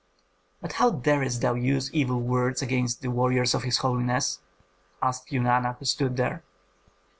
"But how darest thou use evil words against the warriors of his holiness?" asked Eunana, who stood there.